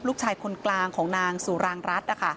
ลูกชายคนกลางของนางสุรางรัฐ